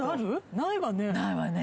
ないわね。